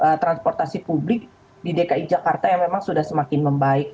ada transportasi publik di dki jakarta yang memang sudah semakin membaik